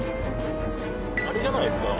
・あれじゃないですか？